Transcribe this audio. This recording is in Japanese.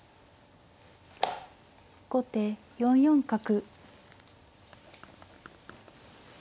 後手４四角。